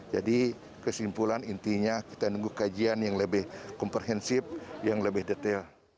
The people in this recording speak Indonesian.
jadi kesimpulan intinya kita menunggu kajian yang lebih komprehensif yang lebih detail